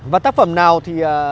và tác phẩm nào thì